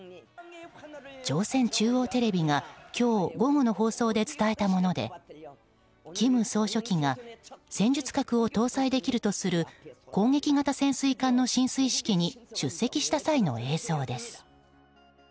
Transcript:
朝鮮中央テレビが今日午後の放送で伝えたもので金総書記が戦術核を搭載できるとする攻撃型潜水艦の進水式に出席した際の映像です。